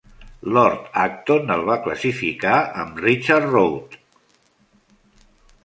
Lord Acton el va classificar amb Richard Rothe.